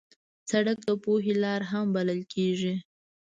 سړک د پوهې لار هم بلل کېږي.